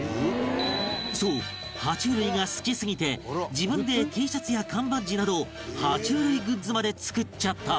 そう爬虫類が好きすぎて自分で Ｔ シャツや缶バッジなど爬虫類グッズまで作っちゃった